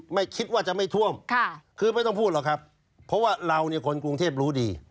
ไม่คิดว่าจะไม่ท่วมคือไม่ต้องพูดหรอกครับเพราะว่าเราเนี่ยคนกรุงเทพรู้ดี